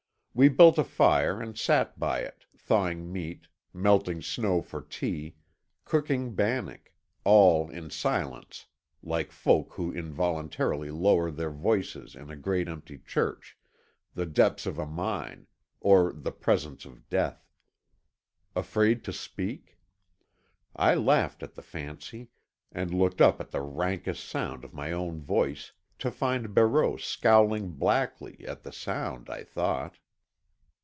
We built a fire and sat by it, thawing meat, melting snow for tea, cooking bannock; all in silence, like folk who involuntarily lower their voices in a great empty church, the depths of a mine, or the presence of death. Afraid to speak? I laughed at the fancy, and looked up at the raucous sound of my own voice, to find Barreau scowling blackly—at the sound, I thought.